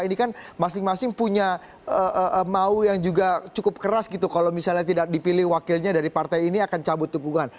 ini kan masing masing punya mau yang juga cukup keras gitu kalau misalnya tidak dipilih wakilnya dari partai ini akan cabut tukungan